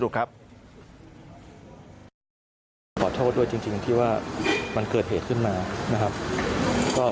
ขอโทษด้วยจริงที่ว่ามันเกิดเหตุขึ้นมานะครับก็